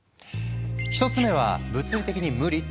１つ目は物理的に無理って話。